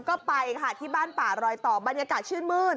ก็ไปค่ะที่บ้านป่ารอยต่อบรรยากาศชื่นมืด